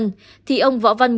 nên không tiếp xúc với nạn nhân